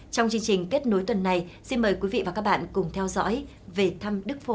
trong chương trình kết nối tuần này xin mời quý vị và các bạn cùng theo dõi về thăm đức phổ